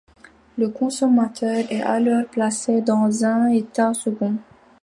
Le consommateur est alors placé dans un état second.